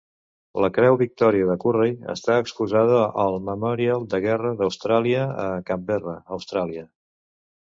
La Creu Victòria de Currey està exposada al Memorial de Guerra d'Austràlia a Canberra, Austràlia.